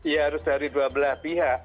ya harus dari dua belah pihak